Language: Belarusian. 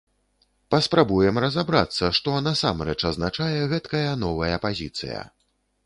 Паспрабуем разабрацца, што насамрэч азначае гэткая новая пазіцыя.